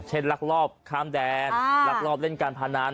เช่นรักรอบข้ามแดนรักรอบเล่นการพานาน